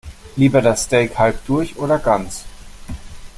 Lieber das Steak halb durch oder ganz?